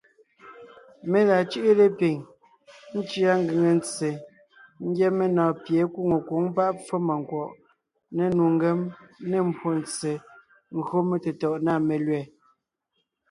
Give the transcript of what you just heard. Mé la cʉ́ʼʉ lepiŋ , ńcʉa ngʉŋe ntse ńgyɛ́ menɔ̀ɔn pie é nkwóŋo nkwǒŋ páʼ pfómànkwɔ̀ʼ, ne nnu ngém, ne mbwóntse gÿo metetɔ̀ʼ nâ melẅɛ̀.